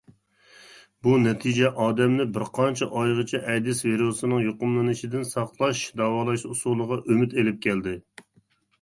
بۇ نەتىجە ئادەمنى بىر نەچچە ئايغىچە ئەيدىز ۋىرۇسىنىڭ يۇقۇملىنىشىدىن ساقلاش داۋالاش ئۇسۇلىغا ئۈمىد ئېلىپ كەلدى.